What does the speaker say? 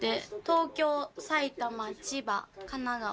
東京埼玉千葉神奈川。